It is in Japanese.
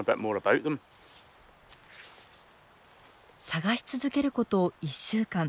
探し続けること１週間。